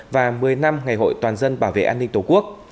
và một mươi năm ngày hội toàn dân bảo vệ an ninh tổ quốc